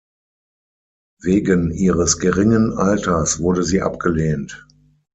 Wegen ihres geringen Alters wurde sie abgelehnt.